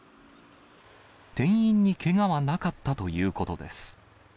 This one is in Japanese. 店員にけがはなかったということです。